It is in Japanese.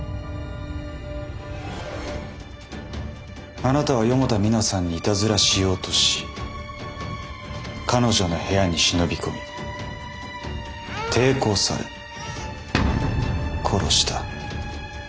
あなたは四方田己奈さんにいたずらしようとし彼女の部屋に忍び込み抵抗され殺した。